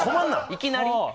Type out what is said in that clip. いきなり？